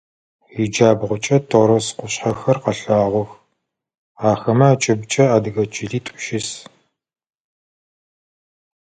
Иджабгъукӏэ Торос къушъхьэхэр къэлъагъох, ахэмэ акӏыбыкӏэ адыгэ чылитӏу щыс.